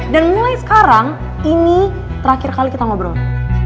dan mulai sekarang ini terakhir kali kita ngobrol